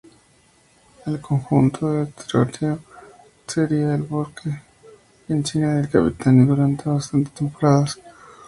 En el conjunto de Trento sería el buque insignia y capitán durante bastantes temporadas.